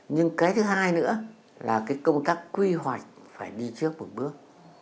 nhưng cái thứ hai nữa là cái công tác quy hoạch phải đi trước một bước